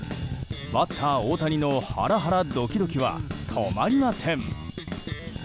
バッター大谷のハラハラドキドキは止まりません。